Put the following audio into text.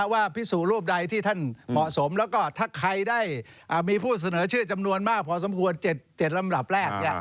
พิสูรูปใดที่ท่านเหมาะสมแล้วก็ถ้าใครได้มีผู้เสนอชื่อจำนวนมากพอสมควร๗ลำดับแรก